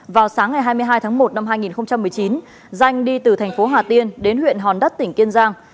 vào sáng ngày hai mươi hai tháng một năm hai nghìn một mươi chín danh đi từ thành phố hà tiên đến huyện hòn đất tỉnh kiên giang